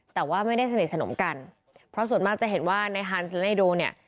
แต่ว่าไม่ได้สนิทสนมกันเพราะส่วนมากจะเห็นว่าในฮันเลโดเนี่ย